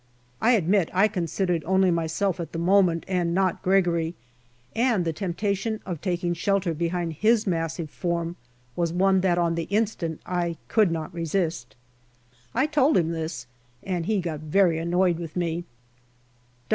I admit I considered only myself at the moment and not Gregory, and the temptation of taking shelter behind his massive form was one that on the instant I could not resist. I told him this, and he got very annoyed with me.